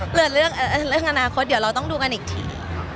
เหลือเรื่องอนาคตเดี๋ยวเราต้องดูกันอีกที